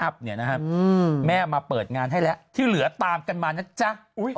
เนี้ยนะฮะอืมแม่มาเปิดงานให้แล้วที่เหลือตามกันมานะจ๊ะอุ้ย